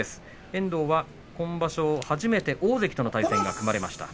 遠藤は今場所初めて大関との対戦が組まれました。